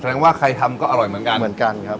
ว่าใครทำก็อร่อยเหมือนกันเหมือนกันครับ